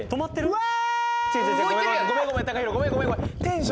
うわ！